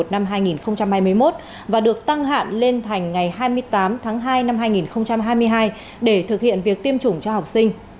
năm hai nghìn hai mươi một và được tăng hạn lên thành ngày hai mươi tám tháng hai năm hai nghìn hai mươi hai để thực hiện việc tiêm chủng cho học sinh